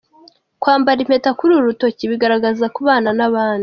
Kwambara impeta kuri uru rutoki bigaragaza kubana n’abandi.